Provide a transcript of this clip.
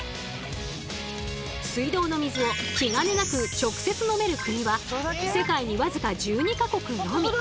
水道の水を気兼ねなく直接飲める国は世界に僅か１２か国のみ。